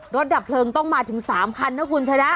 รถดับเพลิงต้องมาถึง๓คันนะคุณใช่ไหม